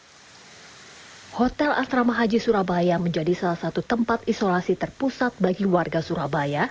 hai hotel astrama haji surabaya menjadi salah satu tempat isolasi terpusat bagi warga surabaya